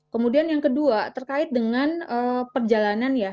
kemudian yang kedua terkait dengan perjalanan ya